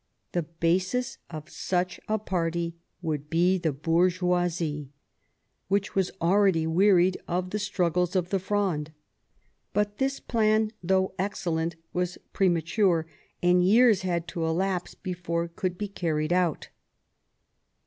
The basis of such a party would be the bourgeoisie, which was already wearied of the struggles of the Frondes. But this plan, though excellent, was premature, and years had to elapse before it could be carried out.